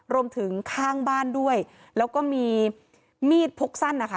รวมถึงข้างบ้านด้วยแล้วก็มีมีดพกสั้นนะคะ